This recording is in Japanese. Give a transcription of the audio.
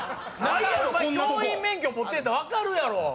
お前教員免許持ってんやったら分かるやろ。